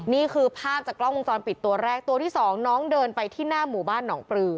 นี่คือภาพจากกล้องวงจรปิดตัวแรกตัวที่สองน้องเดินไปที่หน้าหมู่บ้านหนองปลือ